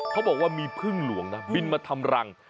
เขาบอกว่ามีพึ่งหลวงนะบินมาทำรัง